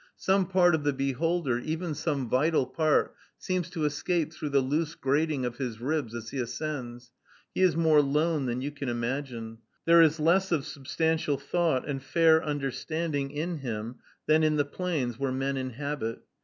Some part of the beholder, even some vital part, seems to escape through the loose grating of his ribs as he ascends. He is more lone than you can imagine. There is less of substantial thought and fair understanding in him than in the plains where men inhabit.